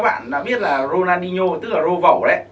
ví dụ như là các bạn đã biết là ronaldinho tức là rô vẩu đấy